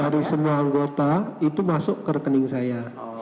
dari semua anggota itu masuk ke rekening saya